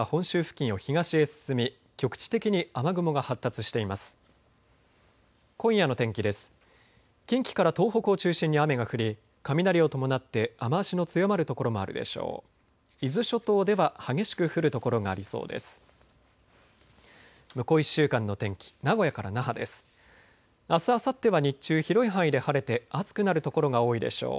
近畿から東北を中心に雨が降り雷を伴って雨足の強まる所もあるでしょう。